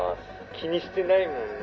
「気にしてないもんね」